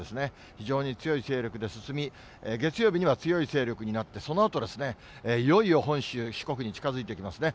非常に強い勢力で進み、月曜日には強い勢力になって、そのあと、いよいよ本州、四国に近づいてきますね。